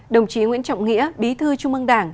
đồng chí nguyễn trọng nghĩa bí thư trung ương đảng